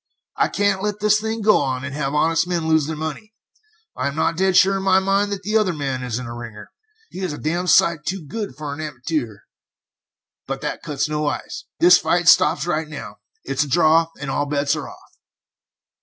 I can't let this thing go on, and have honest men lose their money. I am not dead sure in my mind that the other man isn't a ringer; he is a damned sight too good for an amatoor; but that cuts no ice. This fight stops right now. It's a draw, and all bets are off."